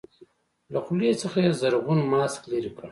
له خولې څخه يې زرغون ماسک لرې کړ.